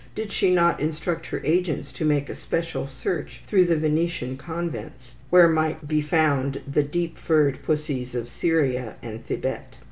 Did she not instruct her agents to make especial search through the Venetian convents, where might be found the deep furred pussies of Syria and Thibet?